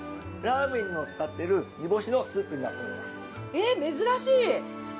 えっ珍しい！